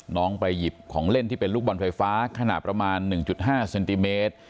ไปหยิบของเล่นที่เป็นลูกบอลไฟฟ้าขนาดประมาณ๑๕เซนติเมตร